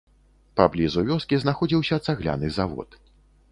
Паблізу вёскі знаходзіўся цагляны завод.